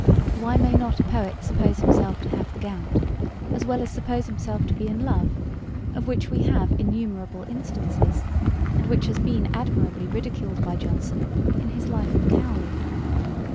Why may not a poet suppose himself to have the gout, as well as suppose himself to be in love, of which we have innumerable instances, and which has been admirably ridiculed by Johnson in his Life of Cowley?